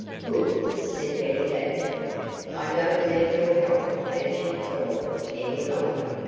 "Good!" said Benny Badger. "I don't need your 'help,' as you call it, any longer.